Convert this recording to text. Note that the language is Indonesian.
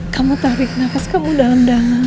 kamu tarik nafas kamu dan